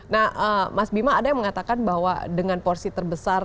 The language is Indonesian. nah mas bima ada yang mengatakan bahwa dengan porsi terbesar